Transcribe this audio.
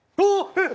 えっ！